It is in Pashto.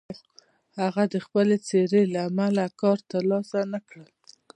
هغه د خپلې څېرې له امله کار تر لاسه نه کړ.